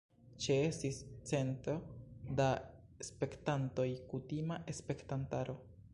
Ĉeestis cento da spektantoj kutima spektantaro.